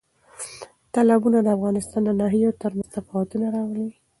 تالابونه د افغانستان د ناحیو ترمنځ تفاوتونه راولي.